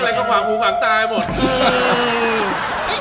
อะไรเราก็ภวันตะลอยไปหมด